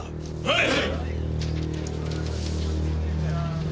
はい！